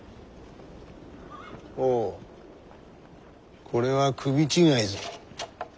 ほうこれは首違いぞ。